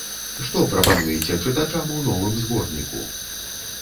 Што прапануеце чытачам у новым зборніку?